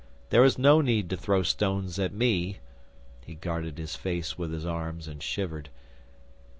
There is no need to throw stones at me." He guarded his face with his arms, and shivered.